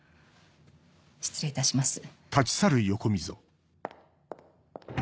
失礼いたします。